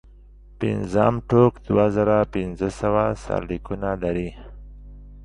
پنځم ټوک دوه زره پنځه سوه سرلیکونه لري.